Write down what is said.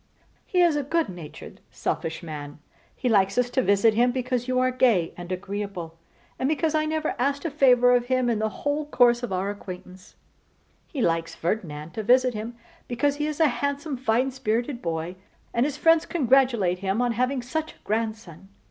He is a good natured selfish man. He likes us to visit him because you are gay and agreeable, and because I never asked a favour of him in the whole course of our acquaintance: he likes Ferdinand to visit him because he is a handsome fine spirited boy, and his friends congratulate him on having such a grandson.